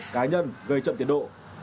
cá nhân về trận tiến độ